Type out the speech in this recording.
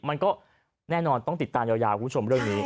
มันก็แน่นอนต้องติดตามยาวคุณผู้ชมเรื่องนี้